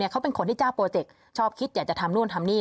เขาเป็นคนที่เจ้าโปรเจกต์ชอบคิดอยากจะทำนู่นทำนี่